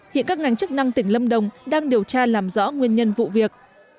hiện các ngành chức năng tỉnh lâm đồng đang điều tra làm rõ nguyên nhân vụ việc